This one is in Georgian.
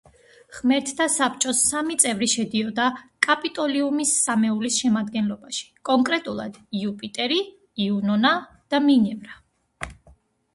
ღმერთთა საბჭოს სამი წევრი შედიოდა კაპიტოლიუმის სამეულის შემადგენლობაში, კონკრეტულად: იუპიტერი, იუნონა და მინერვა.